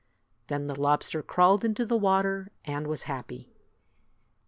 Then the lobster crawled into the water and was happy.